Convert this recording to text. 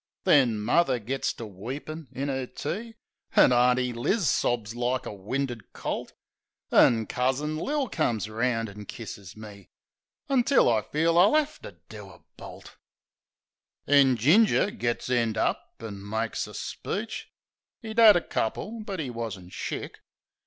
Then muvver gits to weepin' in 'er tea; An' Auntie Liz sobs like a winded colt; An' Cousin Lil comes 'round an' kisses me; Until I feel I'll 'ave to do a bolt. HITCHED 81 Then Ginger gits end up an' makes a speech — ('E'd 'ad a couple, but 'e wasn't shick).